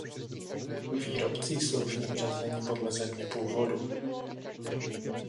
Výrobci jsou v něm řazeni podle země původu.